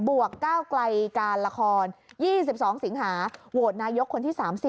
วกก้าวไกลการละคร๒๒สิงหาโหวตนายกคนที่๓๐